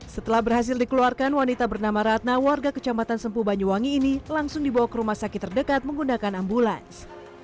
setelah berhasil dikeluarkan wanita bernama ratna warga kecamatan sempu banyuwangi ini langsung dibawa ke rumah sakit terdekat menggunakan ambulans